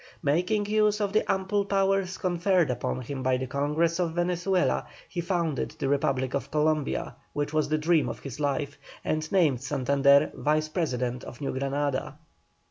Making use of the ample powers conferred upon him by the Congress of Venezuela he founded the Republic of Columbia, which was the dream of his life, and named Santander Vice President of New Granada.